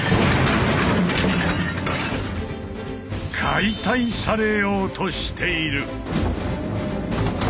解体されようとしている！